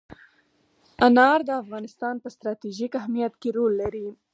انار د افغانستان په ستراتیژیک اهمیت کې رول لري.